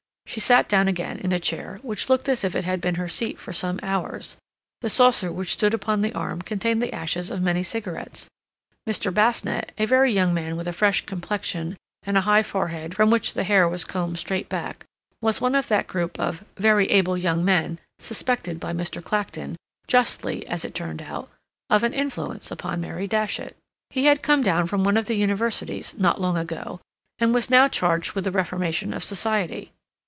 She sat down again in a chair which looked as if it had been her seat for some hours; the saucer which stood upon the arm contained the ashes of many cigarettes. Mr. Basnett, a very young man with a fresh complexion and a high forehead from which the hair was combed straight back, was one of that group of "very able young men" suspected by Mr. Clacton, justly as it turned out, of an influence upon Mary Datchet. He had come down from one of the Universities not long ago, and was now charged with the reformation of society.